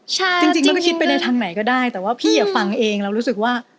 ใช่จริงแล้วก็คิดไปในทางไหนก็ได้แต่ว่าพี่ฟังเองเรารู้สึกว่า